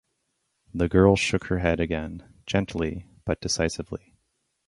The girl shook her head again, gently but decisively.